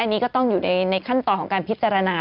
อันนี้ก็ต้องอยู่ในขั้นตอนของการพิจารณา